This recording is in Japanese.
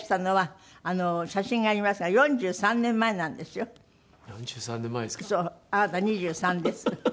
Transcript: あなた２３です。